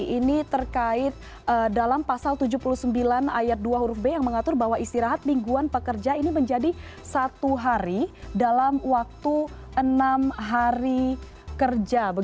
ini terkait dalam pasal tujuh puluh sembilan ayat dua huruf b yang mengatur bahwa istirahat mingguan pekerja ini menjadi satu hari dalam waktu enam hari kerja